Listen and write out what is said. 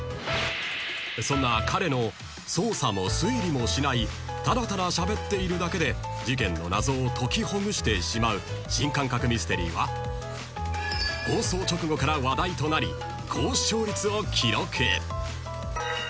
［そんな彼の捜査も推理もしないただただしゃべっているだけで事件の謎を解きほぐしてしまう新感覚ミステリーは放送直後から話題となり高視聴率を記録］